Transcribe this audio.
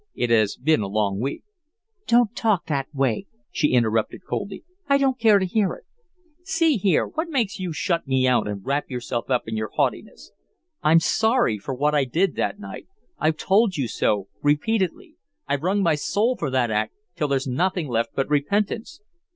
It has been a long week " "Don't talk that way," she interrupted, coldly. "I don't care to hear it." "See here what makes you shut me out and wrap yourself up in your haughtiness? I'm sorry for what I did that night I've told you so repeatedly. I've wrung my soul for that act till there's nothing left but repentance."